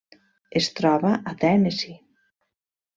Es troba a Tennessee.